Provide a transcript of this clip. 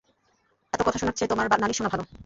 এত কথা শোনার চেয়ে তোমার নালিশ শোনা ভালো।